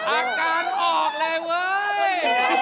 อาการออกเลยว้อย